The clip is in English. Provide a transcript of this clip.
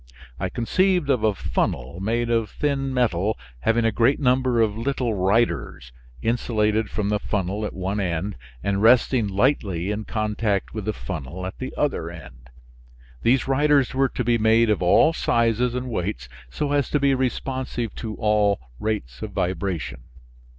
I conceived of a funnel made of thin metal having a great number of little riders, insulated from the funnel at one end and resting lightly in contact with the funnel at the other end. These riders were to be made of all sizes and weights so as to be responsive to all rates of vibration.